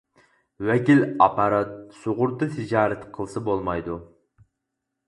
ۋەكىل ئاپپارات سۇغۇرتا تىجارىتى قىلسا بولمايدۇ.